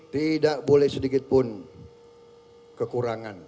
tidak boleh sedikitpun kekurangan